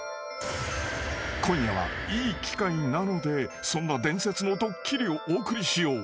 ［今夜はいい機会なのでそんな伝説のドッキリをお送りしよう］